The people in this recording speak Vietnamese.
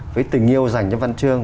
với tình yêu dành cho văn chương